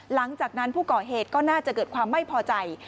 หลังจากนั้นผู้ก่อเหตุก็น่าจะเกิดความไม่พอใจ